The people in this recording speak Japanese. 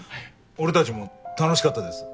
俺たちも楽しかったです。